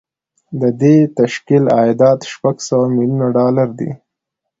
د دې تشکیل عایدات شپږ سوه میلیونه ډالر دي